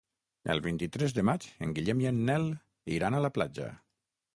El vint-i-tres de maig en Guillem i en Nel iran a la platja.